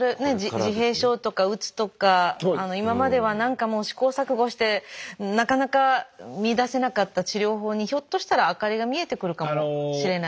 自閉症とかうつとか今までは何かもう試行錯誤してなかなか見いだせなかった治療法にひょっとしたら明かりが見えてくるかもしれない。